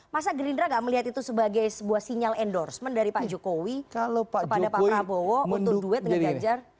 masa gerindra gak melihat itu sebagai sebuah sinyal endorsement dari pak jokowi kepada pak prabowo untuk duet dengan ganjar